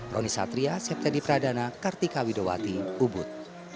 roni satria siap tadi pradana kartika widowati ubud